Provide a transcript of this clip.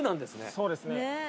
そうですね